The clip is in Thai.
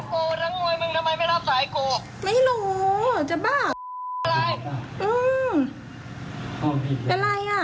กูก็ด่าเรื่องแค่เห็นหน้ามึงกูก็อยากด่าละ